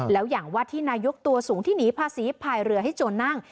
แล้วอย่างวัดที่นายกตัวสูงที่หนีภาษีภายเรือให้โจรนั่ง